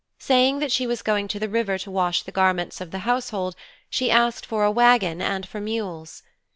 Saying that she was going to the river to wash the garments of the household, she asked for a wagon and for mules.